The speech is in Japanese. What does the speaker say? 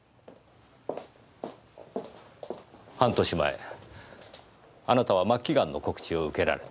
半年前あなたは末期ガンの告知を受けられた。